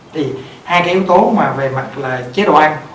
thì hai cái yếu tố mà về mặt là chế độ